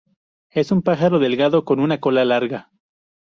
Es un pájaro delgado con una cola larga.